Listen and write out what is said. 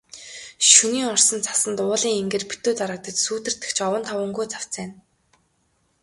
Шөнийн орсон цасанд уулын энгэр битүү дарагдаж, сүүдэртэх ч овон товонгүй цавцайна.